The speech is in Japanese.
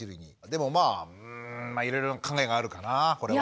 でもまあうんまあいろいろ考えがあるかなこれは。